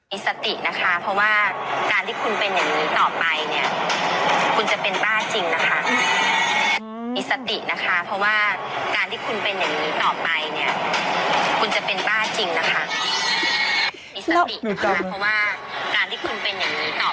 มีสตินะคะเพราะว่าการที่คุณเป็นอย่างนี้ต่อไปคุณจะเป็นป้าจริงนะคะ